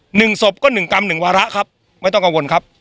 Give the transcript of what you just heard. หนึ่งศพก็หนึ่งกรรมหนึ่งวาระครับไม่ต้องกังวลครับ